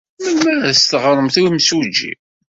Melmi ara as-teɣremt i yimsujji?